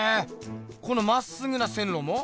このまっすぐな線路も？